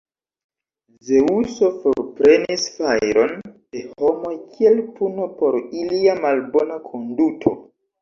Zeŭso forprenis fajron de homoj kiel puno por ilia malbona konduto.